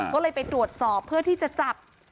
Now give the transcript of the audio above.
ก็เลยไปตรวจสอบเพื่อที่จะจับ